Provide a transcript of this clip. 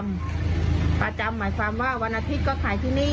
ประจำหมายความว่าวันอาทิตย์ก็ขายที่นี่